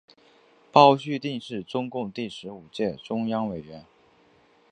包叙定是中共第十五届中央委员。